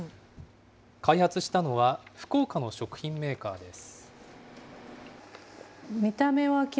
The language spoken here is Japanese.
開発したのは、福岡の食品メーカーです。